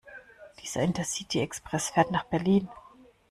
Dieser Intercity-Express fährt nach Berlin.